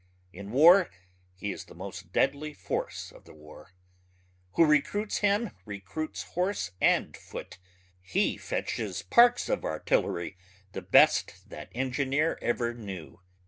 In war he is the most deadly force of the war. Who recruits him recruits horse and foot ... he fetches parks of artillery the best that engineer ever knew.